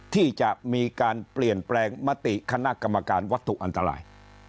ที่จะมีการเปลี่ยนแปลงมติคณะกรรมการวัตถุอันตราย